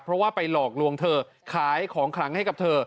เพราะว่าไปหลอกลวงเธอขายของขลังให้กับเธอ